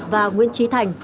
và nguyễn trí thành